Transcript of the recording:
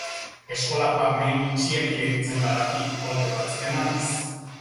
Eskolako armairu itxiak irekitzen badaki, kolpe batzuk emanez.